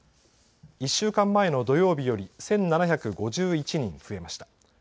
１週間前の土曜日より１７５１人増えました。